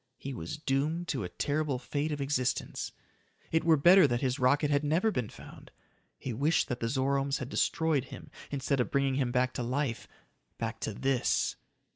He was doomed to a terrible fate of existence! It were better that his rocket had never been found. He wished that the Zoromes had destroyed him instead of bringing him back to life back to this!